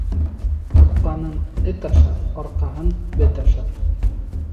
Тапҡанын эт ашар, арҡаһын бет ашар.